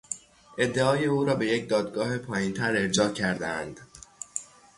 ادعای او را به یک دادگاه پایینتر ارجاع کردهاند.